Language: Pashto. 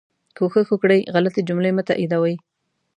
کوښښ وکړئ غلطي جملې مه تائیدوئ